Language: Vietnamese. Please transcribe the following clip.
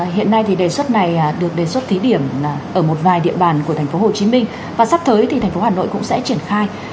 hiện nay thì đề xuất này được đề xuất thí điểm ở một vài địa bàn của thành phố hồ chí minh và sắp tới thì thành phố hà nội cũng sẽ triển khai